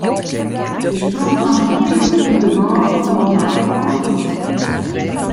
Hy sprong as in pylk út de bôge fan de tafel ôf.